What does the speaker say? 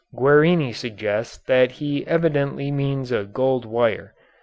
Guerini suggests that he evidently means a gold wire.